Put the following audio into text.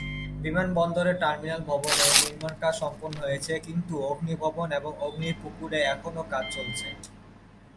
বিমানবন্দরের টার্মিনাল ভবনে নির্মাণ কাজ সম্পন্ন হয়েছে, কিন্তু অগ্নি ভবন এবং অগ্নি পুকুরে এখনো কাজ চলছে।